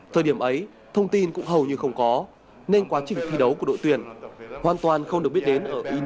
thời điểm ấy thông tin cũng hầu như không có nên quá trình thi đấu của đội tuyển hoàn toàn không được biết đến ở indonesia